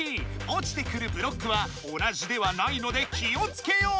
おちてくるブロックは同じではないので気をつけよう！